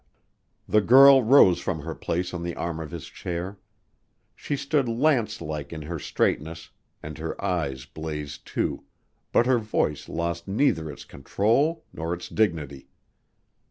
The girl rose from her place on the arm of his chair. She stood lancelike in her straightness and her eyes blazed, too, but her voice lost neither its control nor its dignity.